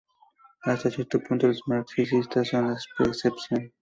Hasta cierto punto, los marxistas son la excepción.